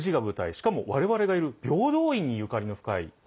しかも我々がいる平等院にゆかりの深い作品なんですよね。